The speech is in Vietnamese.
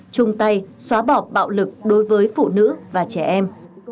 chung tay xóa bỏ bạo lực đối với phụ nữ và trẻ em